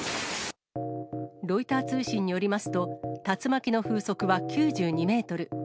ロイター通信によりますと、竜巻の風速は９２メートル。